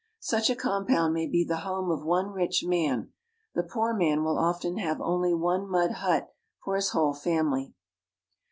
Such a compound may be the home of one rich man. The poor man will often have only one mud hut \ for his whole family.